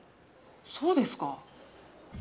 そうですか。